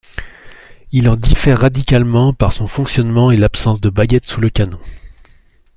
Il en diffère radicalement par son fonctionnement et l'absence de baguette sous le canon.